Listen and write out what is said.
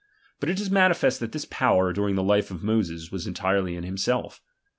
But it is manifest that this power, daring the life of Moses, was entirely in liimself.